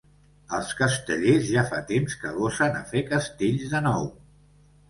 Els castellers ja fa temps que gosen a fer castells de nou.